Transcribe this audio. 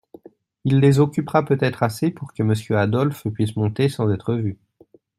Il les occupera peut-être assez pour que Monsieur Adolphe puisse monter sans être vu.